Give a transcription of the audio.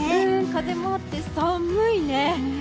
風もあって寒いね。